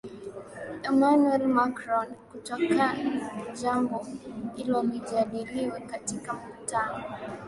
Emanuel Macron kutaka jambo hilo lijadiliwe katika mkutano